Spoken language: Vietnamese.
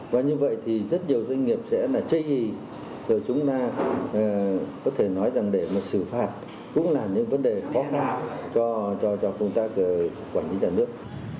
và như vậy thì rất nhiều doanh nghiệp sẽ là chê gì rồi chúng ta có thể nói rằng để mà xử phạt cũng là những vấn đề khó khăn cho chúng ta quản lý đại nước